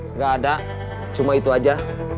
nggak ada cuma itu aja